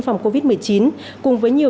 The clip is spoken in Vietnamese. phòng covid một mươi chín cùng với nhiều